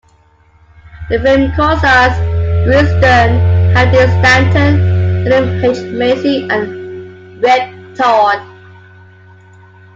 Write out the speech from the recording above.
The film co-stars Bruce Dern, Harry Dean Stanton, William H. Macy, and Rip Torn.